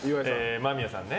間宮さんね。